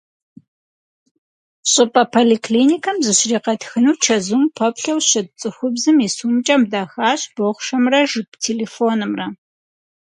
ЩӀыпӀэ поликлиникэм зыщригъэтхыну чэзум пэплъэу щыт цӏыхубзым и сумкӀэм дахащ бохъшэмрэ жып телефонымрэ.